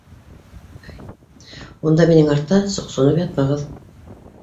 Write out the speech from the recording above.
Унда минең артта соҡсоноп ятмағыҙ